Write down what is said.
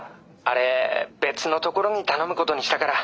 あれ別のところに頼むことにしたから。